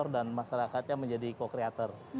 maksudnya content creator dan masyarakatnya menjadi co creator